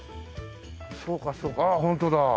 そうかそうかあっホントだ。